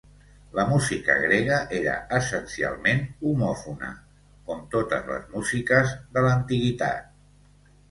La música grega era essencialment homòfona, com totes les músiques de l'antiguitat.